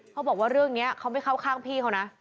เขาบอกว่าเรื่องนี้เขาไม่เข้าข้างพี่เขานะ